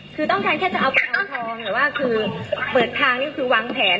คือต้องการแค่จะเอาตัวถ่อแต่ว่าคือเปิดทางคือวางแผน